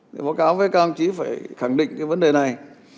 báo cáo với các ông chỉ phải khẳng định cái vấn đề này